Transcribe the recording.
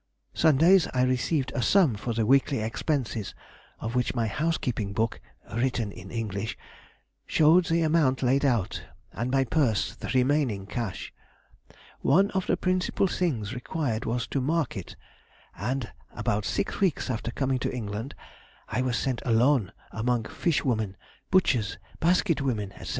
Sundays I received a sum for the weekly expenses, of which my housekeeping book (written in English) showed the amount laid out, and my purse the remaining cash. One of the principal things required was to market, and about six weeks after coming to England I was sent alone among fishwomen, butchers, basket women, &c.